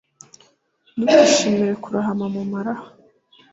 ntukishimire kurohama mu maraha